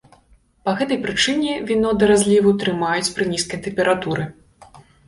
Па гэтай прычыне віно да разліву трымаюць пры нізкай тэмпературы.